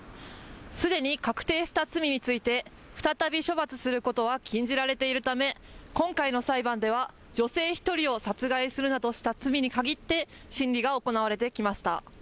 すでに確定した罪について再び処罰することは禁じられているため今回の裁判では女性１人を殺害するなどした罪に限って審理が行われてきました。